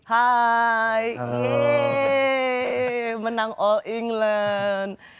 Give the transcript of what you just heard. hai menang all england